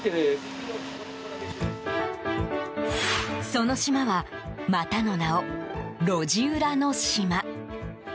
その島はまたの名を、路地裏の島。